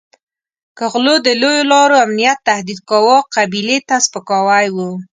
که غلو د لویو لارو امنیت تهدید کاوه قبیلې ته سپکاوی وو.